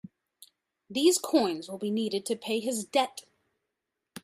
These coins will be needed to pay his debt.